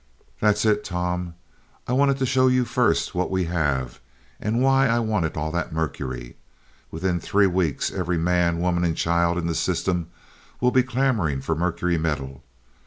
"That's it, Tom. I wanted to show you first what we have, and why I wanted all that mercury. Within three weeks, every man, woman and child in the system will be clamoring for mercury metal.